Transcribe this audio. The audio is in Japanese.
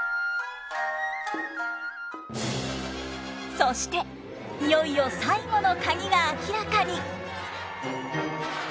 そしていよいよ最後のカギが明らかに。